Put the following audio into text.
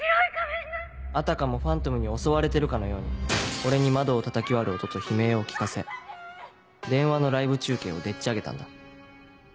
あたかもファントムに襲われてるかのように俺に窓をたたき割る音と悲鳴を聞かせ電話のライブ中継をでっち上げたんだ。